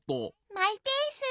マイペース。